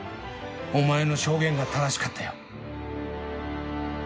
お前の証言が正しかったよ。